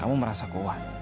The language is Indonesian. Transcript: kamu merasa kuat